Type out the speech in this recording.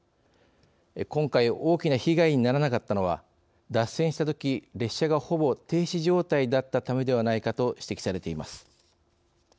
今回大きな被害にならなかったのは脱線したとき、列車がほぼ停止状態だったためではないかと指摘されています。